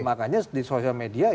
makanya di sosial media